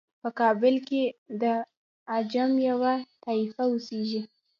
په کابل کې د عجم یوه طایفه اوسیږي.